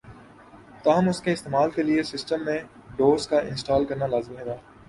تاہم اس کے استعمال کے لئے سسٹم میں ڈوس کا انسٹال کرنا لازمی تھا